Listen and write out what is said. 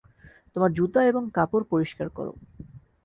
তোমার জুতা এবং কাপড় পরিষ্কার কর।